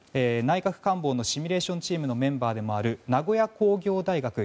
内閣官房のシミュレーションチームのメンバーでもある名古屋工業大学